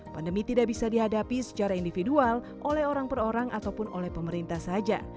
pandemi tidak bisa dihadapi secara individual oleh orang per orang ataupun oleh pemerintah saja